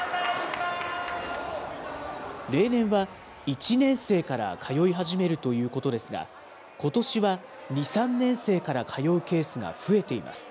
例年は１年生から通い始めるということですが、ことしは２、３年生から通うケースが増えています。